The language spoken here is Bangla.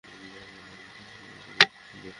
জ্যাক, এবার কিন্তু আগের মতো পরিস্থিতি নেই!